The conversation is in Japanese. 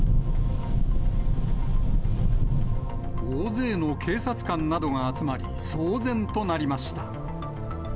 大勢の警察官などが集まり、騒然となりました。